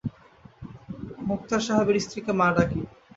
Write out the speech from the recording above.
মোক্তার সাহেবের স্ত্রীকে মা ডাকি।